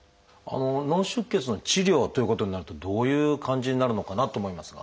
脳出血の治療ということになるとどういう感じになるのかなと思いますが。